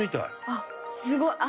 あっすごい。